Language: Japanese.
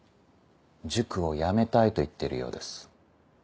塾をやめたいと言ってるようです。